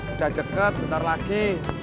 udah deket bentar lagi